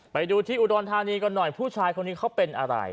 ไปดูที่อุดรธานีกันหน่อยผู้ชายคนนี้เขาเป็นอะไร